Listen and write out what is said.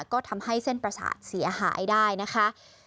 ก็ทำให้เส้นประสาทเสียหายได้นะคะ